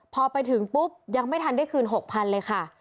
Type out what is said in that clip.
พอไปถึงปุ๊บยังไม่ทันได้คืน๖๐๐๐เลยค่ะ